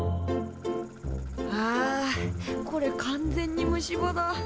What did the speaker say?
あこれ完全に虫歯だ。